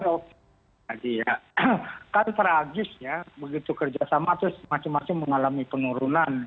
tapi kami ya kan tragis ya begitu kerja sama terus masing masing mengalami penurunan